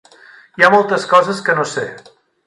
Hi ha moltes coses que no sé.